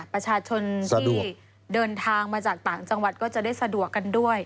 ประชาชนที่เดินทางมาจากต่างจังหวัดก็จะได้สะดวกกันด้วย